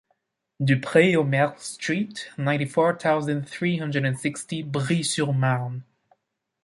du Pré Aux Merles street, ninety-four thousand three hundred and sixty Bry-sur-Marne